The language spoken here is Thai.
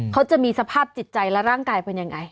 เขาจะมีสภาพจิตใจและร่างกายเป็นยังไง